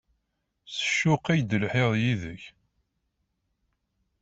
S ccuq i d-lhiɣ d yid-k!